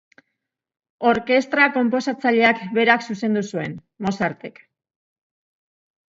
Orkestra konposatzaileak berak zuzendu zuen, Mozartek.